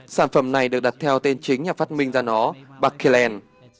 sản phẩm này được đặt theo tên chính nhà phát minh ra nó bạc kỳ lên